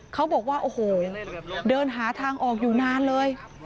เขาบอกว่าโอ้โหเดินหาทางออกอยู่นานเลย